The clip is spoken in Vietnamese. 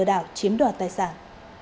đảo chiếm đoạt tài sản